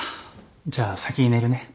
じゃあ先に寝るね。